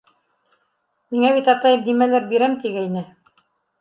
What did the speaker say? Миңә бит атайым нимәлер бирәм тигәйне!